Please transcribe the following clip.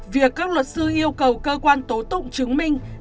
việc các luật sư yêu cầu cơ quan tố tụng chứng minh